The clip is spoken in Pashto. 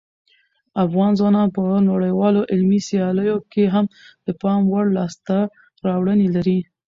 افغان ځوانان په نړیوالو علمي سیالیو کې هم د پام وړ لاسته راوړنې لري.